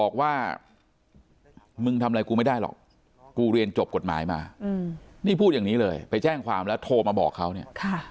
กูเรียนจบกฎหมายมานี่พูดอย่างนี้เลยไปแจ้งความแล้วโทรมาบอกเขาเนี่ย